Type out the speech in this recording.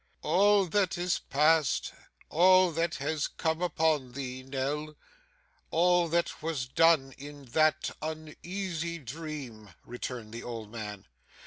'All that is past, all that has come upon thee, Nell, all that was done in that uneasy dream,' returned the old man.